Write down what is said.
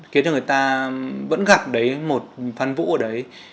khiến cho người ta vẫn gặp đấy một phan vũ ở đấy